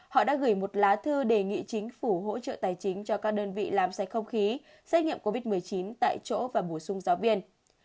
họ đã gửi một lá thư đề nghị chính phủ hỗ trợ tài chính cho các đơn vị làm sạch không khí xét nghiệm covid một mươi chín tại chỗ và bổ sung giáo viên